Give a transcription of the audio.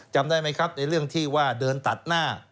จำได้ไหมครับในเรื่องที่ว่าเดินตัดหน้า